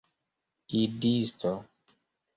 idisto